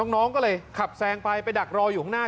น้องก็เลยขับแซงไปไปดักรออยู่ข้างหน้า